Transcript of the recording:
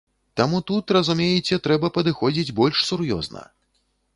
Таму тут, разумееце, трэба падыходзіць больш сур'ёзна.